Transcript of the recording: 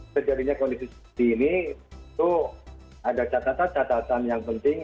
terjadinya kondisi seperti ini itu ada catatan catatan yang penting